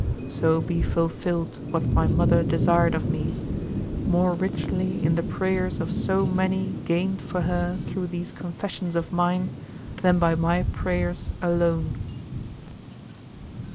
So be fulfilled what my mother desired of me more richly in the prayers of so many gained for her through these confessions of mine than by my prayers alone.